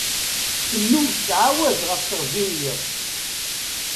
Tennum tettɛawaz ɣef teɣzi n yiḍ.